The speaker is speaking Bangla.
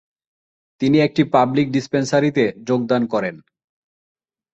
তিনি একটি পাবলিক ডিসপেনশারীতে যোগদান করেন।